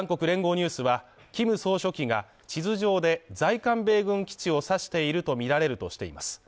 ニュースは、キム総書記が地図上で在韓米軍基地を指しているとみられるとしています。